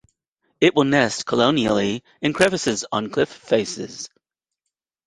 It will also nest colonially in crevices on cliff faces.